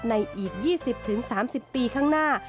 อีก๒๐๓๐ปีข้างหน้า